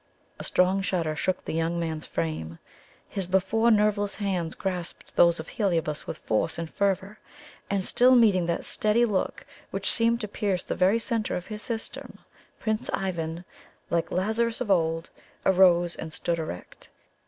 A strong shudder shook the young man's frame; his before nerveless hands grasped those of Heliobas with force and fervour, and still meeting that steady look which seemed to pierce the very centre of his system, Prince Ivan, like Lazarus of old, arose and stood erect.